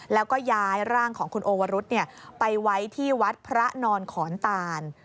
แล้วก็ย้ายร่างของคุณโอวรุษไปไว้ที่วัดพระนอนขอนตาน